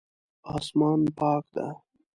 اسمان پاک ده